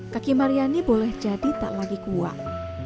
kaki maryani boleh jadi tak lagi kuat